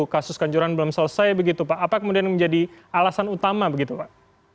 kasus kanjuran belum selesai begitu pak apa kemudian menjadi alasan utama begitu pak